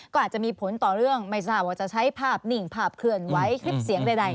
ก็อาจจะมีผลต่อเรื่องไม่ทราบว่าจะใช้ภาพนิ่งภาพเคลื่อนไหวคลิปเสียงใด